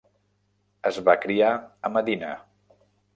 Es va criar a Medina.